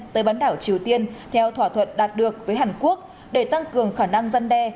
tới bán đảo triều tiên theo thỏa thuận đạt được với hàn quốc để tăng cường khả năng dân đe